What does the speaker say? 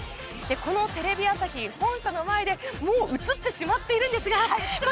このテレビ朝日本社の前でもう映ってしまっているんですが。